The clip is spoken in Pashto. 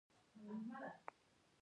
دا معمولا د با تجربه اشخاصو لخوا جوړیږي.